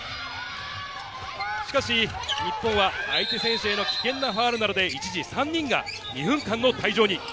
しかし、日本は相手選手への危険なファウルなどで一時３人が２分間の退場に。